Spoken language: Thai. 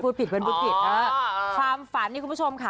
ความฝันคุณผู้ชมค่ะ